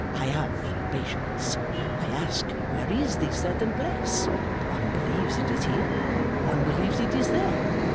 I have patience. I ask where is this certain place. One. believes it is here, one believes it is there.